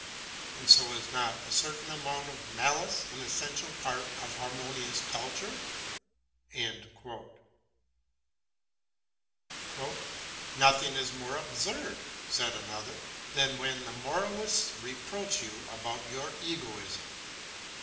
And so is not a certain amount of malice an essential part of harmonious culture?" "Nothing is more absurd," said another, "than when the moralists reproach you about your egoism.